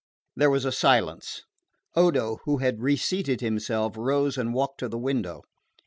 There was a silence. Odo, who had reseated himself, rose and walked to the window.